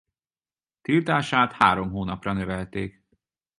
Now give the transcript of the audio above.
Tiltását három hónapra növelték.